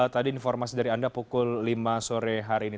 tadi informasi dari anda pukul lima sore hari ini